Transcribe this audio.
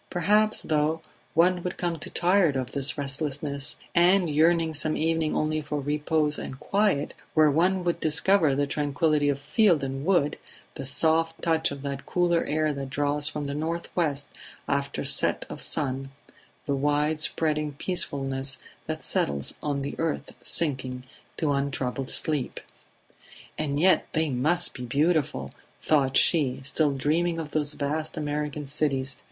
Perhaps, though, one would come to tire of this restlessness, and, yearning some evening only for repose and quiet, where would one discover the tranquillity of field and wood, the soft touch of that cooler air that draws from the north west after set of sun, the wide spreading peacefulness that settles on the earth sinking to untroubled sleep. "And yet they must be beautiful!" thought she, still dreaming of those vast American cities